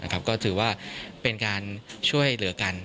ก็ถือว่าเป็นการช่วยเหลือกัน